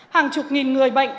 hàng chục nghìn người bệnh